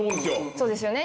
そうですよね。